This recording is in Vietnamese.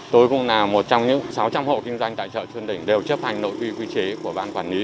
tôi cũng là một trong những sáu trăm linh hộ kinh doanh tại chợ xuân đình đều chấp hành nội quy quy chế của ban quản lý